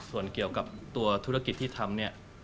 ส่วนเกี่ยวกับตัวธุรกิจที่ทำเนี่ย